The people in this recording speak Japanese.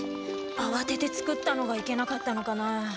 あわてて作ったのがいけなかったのかな？